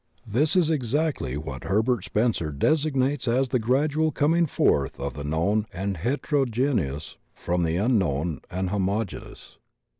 This is exactiy what Herbert Spencer designates as the gradual coming forth of the known and hetero geneous from the unknown and homogeneous.